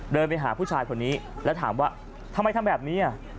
เดินไปหาผู้ชายคนนี้แล้วถามว่าทำไมทำแบบนี้